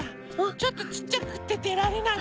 ちょっとちっちゃくてでられない。